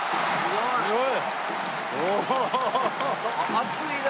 熱いな。